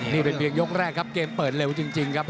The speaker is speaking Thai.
นี่เป็นเพียงยกแรกครับเกมเปิดเร็วจริงครับ